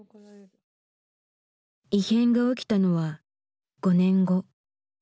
異変が起きたのは５年後。